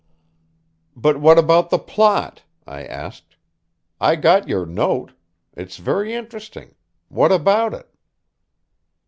"But what about the plot?" I asked. "I got your note. It's very interesting. What about it?"